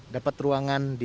dapat ruangan di